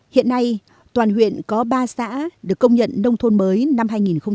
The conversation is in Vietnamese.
hiện nay toàn huyện có ba xã được công nhận nông thôn mới năm hai nghìn một mươi